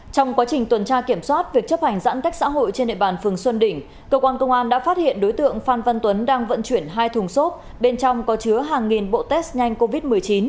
trong quá trình tuần tra kiểm soát việc chấp hành giãn cách xã hội trên địa bàn phường xuân đỉnh cơ quan công an đã phát hiện đối tượng phan văn tuấn đang vận chuyển hai thùng xốp bên trong có chứa hàng nghìn bộ test nhanh covid một mươi chín